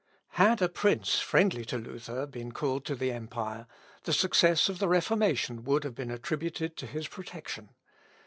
Had a prince, friendly to Luther, been called to the empire, the success of the Reformation would have been attributed to his protection.